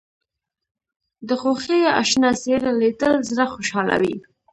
د خوښۍ اشنا څېره لیدل زړه خوشحالوي